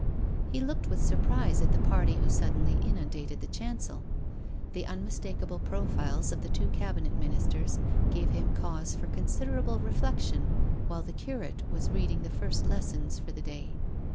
He looked with surprise at the party who suddenly inundated the chancel. The unmistakable profiles of the two Cabinet Ministers gave him cause for con siderable reflection while the curate was reading the First Lesson for the day.